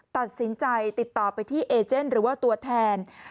ตัดสินใจติดต่อไปที่เอเจนหรือว่าตัวแทน